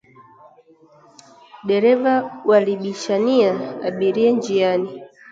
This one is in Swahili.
Dereva walibishania abiria njiani